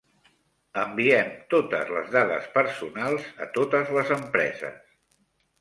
Enviem totes les dades personals a totes les empreses.